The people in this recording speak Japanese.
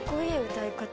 歌い方。